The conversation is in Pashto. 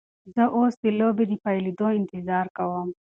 زه اوس د لوبې د پیلیدو انتظار کوم.